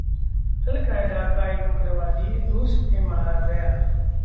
al Qaeda का एक उग्रवादी रूस में मारा गया